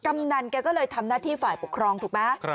กำนันแกก็เลยทำหน้าที่ฝ่ายปกครองถูกไหม